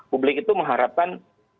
publik itu mengharapkan